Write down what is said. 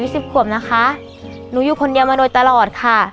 สิบขวบนะคะหนูอยู่คนเดียวมาโดยตลอดค่ะ